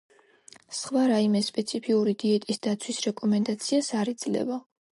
სხვა რაიმე სპეციფიური დიეტის დაცვის რეკომენდაციას არ იძლევა.